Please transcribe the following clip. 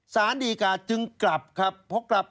สารดีการจึงกลับครับ